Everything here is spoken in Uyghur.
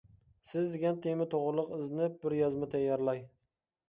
سىز دېگەن تېما توغرىلىق ئىزدىنىپ بىر يازما تەييارلاي.